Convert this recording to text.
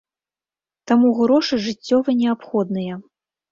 Таму грошы жыццёва неабходныя.